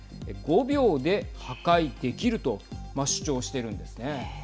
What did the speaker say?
５秒で破壊できると主張してるんですね。